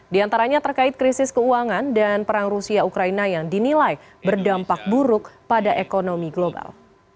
di antaranya terkait krisis keuangan dan perang rusia ukraina yang dinilai berdampak buruk pada ekonomi global